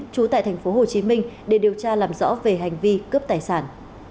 trú tại thành phố hồ chí minh để điều tra làm rõ về hành vi cướp tài sản